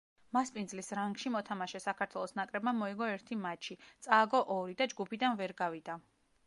მასპინძლის რანგში მოთამაშე საქართველოს ნაკრებმა მოიგო ერთი მატჩი, წააგო ორი და ჯგუფიდან ვერ გავიდა.